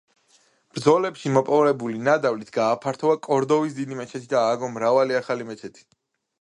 ბრძოლებში მოპოვებული ნადავლით გააფართოვა კორდოვის დიდი მეჩეთი და ააგო მრავალი ახალი მეჩეთი.